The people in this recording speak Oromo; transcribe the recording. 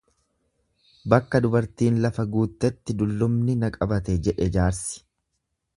Bakka dubartiin lafa guuttetti dullumti na qabate jedhe jaarsi.